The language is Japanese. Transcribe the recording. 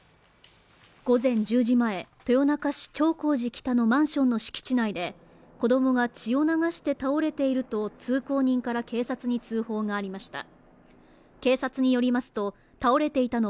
午前１０時前、豊中市長興寺北のマンションの敷地内で子供が血を流して倒れていると通行人から警察に通報がありました。